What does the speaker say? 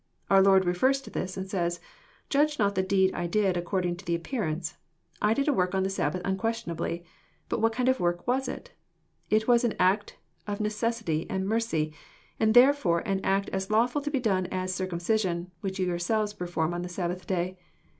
Our Lord refers to this and says,—" Judge not \ the deed I did according to the appearance. I did a work on \ the Sabbath unquestionably. But what kind of a work was it? j' It wa3 an act of necessity and mercy, and therefore an act as ' lawful to be done as circumcision, which you yourselves perform on the Sabbath day.